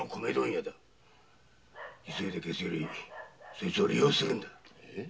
急いで消すよりそいつを利用するんだ。